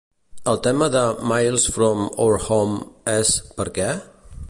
El tema de "Miles from Our Home" és "per què"?